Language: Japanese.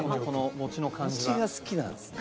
餅が好きなんですね。